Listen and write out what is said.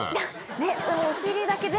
ねっお尻だけで。